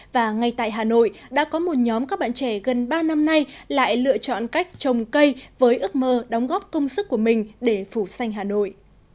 và ngay tại hà nội đã có một nhóm các bạn trẻ gần ba năm nay lại lựa chọn cách trồng cây với ước mơ đóng góp công sức của mình để phủ xanh hà nội